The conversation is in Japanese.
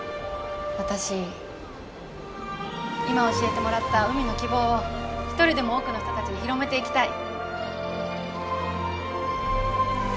私今教えてもらった海の希望を一人でも多くの人たちに広めていきたい。